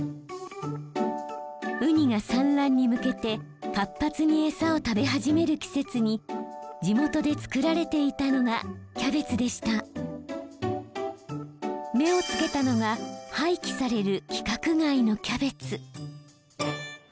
ウニが産卵に向けて活発に餌を食べ始める季節に地元で作られていたのが目を付けたのが廃棄される規格外のキャベツ。